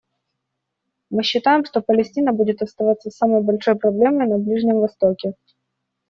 Мы считаем, что Палестина будет оставаться самой большой проблемой на Ближнем Востоке.